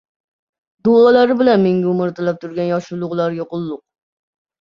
Duolari bilan menga umr tilab turgan yoshi ulug‘larga qulluq.